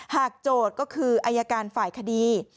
โจทย์ก็คืออายการฝ่ายคดี